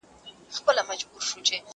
زه پرون د ښوونځي کتابونه مطالعه کوم!